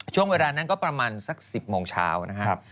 ช่วงเวลานั้นก็ประมาณสัก๑๐โมงเช้านะครับ